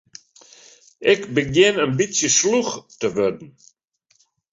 Ik begjin in bytsje slûch te wurden.